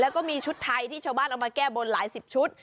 แล้วก็มีชุดไทยที่ชาวบ้านเอามาแก้บนหลายสิบชุด